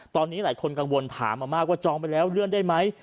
ตอนนี้หลายคนกังวลถามมามากว่าจองไปแล้วเลื่อนได้ไหม